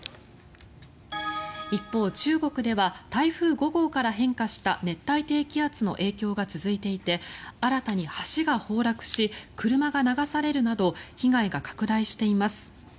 一方、中国では台風５号から変化した熱帯低気圧の影響が続いていて新たに橋が崩落し車が流されるなど被害が拡大しています。